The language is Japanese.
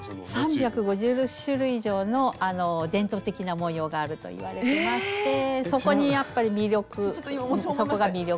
３５０種類以上の伝統的な模様があるといわれてましてそこにやっぱり魅力そこが魅力で。